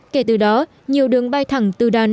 kể từ đó nhiều đường bay thẳng từ đà nẵng